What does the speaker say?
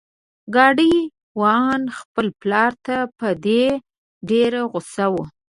ګاډی وان خپل پلار ته په دې ډیر غوسه و.